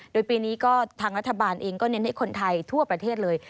โดยปีนี้ก็ทางรัฐบาลเองก็เน้นให้คนไทยทั่วประเทศเลย